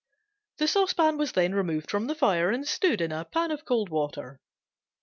The saucepan was then removed from the fire and stood in a pan of cold water.